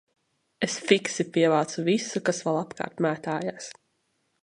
Es fiksi pievācu visu, kas vēl apkārt mētājās.